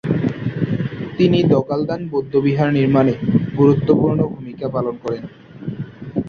তিনি দ্গা'-ল্দান বৌদ্ধবিহার নির্মাণে গুরুত্বপূর্ণ ভূমিকা পালন করেন।